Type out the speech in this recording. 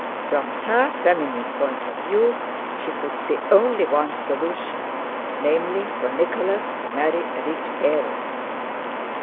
From her feminine point of view she could see only one solution, namely, for Nicholas to marry a rich heiress.